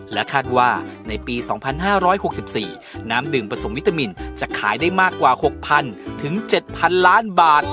และคาดว่าในปี๒๕๖๔น้ำดื่มผสมวิตามินจะขายได้มากกว่า๖๐๐๐ถึง๗๐๐ล้านบาท